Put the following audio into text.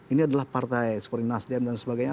ini adalah partai seperti nasdem dan sebagainya